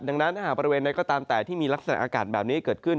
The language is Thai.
ดังนั้นถ้าหากบริเวณใดก็ตามแต่ที่มีลักษณะอากาศแบบนี้เกิดขึ้น